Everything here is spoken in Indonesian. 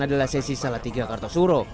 adalah sesi salatiga kartosuro